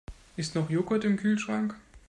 Ist noch Joghurt im Kühlschrank?